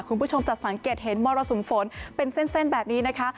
คุณผู้ชมจะสังเกตเห็นมรสุมฝนเป็นเส้นแบบนี้นะคะ